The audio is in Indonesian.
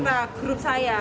bersama grup saya